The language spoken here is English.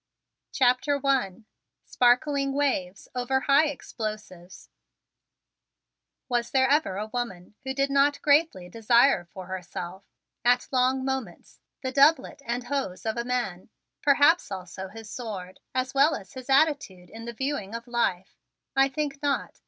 CHAPTER I SPARKLING WAVES OVER HIGH EXPLOSIVES Was there ever a woman who did not very greatly desire for herself, at long moments, the doublet and hose of a man, perhaps also his sword, as well as his attitude in the viewing of life? I think not.